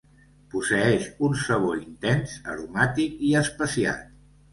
Posseeix un sabor intens, aromàtic i especiat.